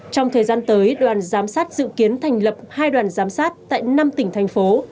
trong thời gian tới đoàn giám sát dự kiến thành lập hai đoàn giám sát tại năm tỉnh thành phố